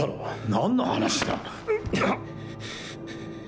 何の話だ？